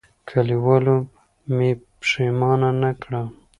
کلیوالو مې پښېمانه کړم.